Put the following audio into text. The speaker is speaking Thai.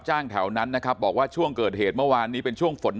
แถวนั้นนะครับบอกว่าช่วงเกิดเหตุเมื่อวานนี้เป็นช่วงฝน